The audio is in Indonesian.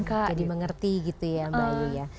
jadi mengerti gitu ya mbak ayu ya